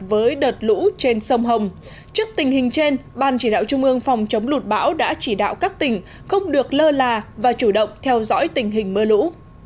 với đợt lũ trên sông hồng trước tình hình trên ban chỉ đạo trung ương phòng chống lụt bão đã chỉ đạo các tỉnh không được lơ là và chủ động theo dõi tình hình mưa lũ